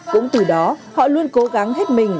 cũng từ đó họ luôn cố gắng hết mình